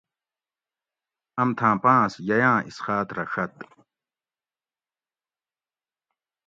امتھاۤں پاۤنس ییاۤں اِسخاۤت رہ ڛۤت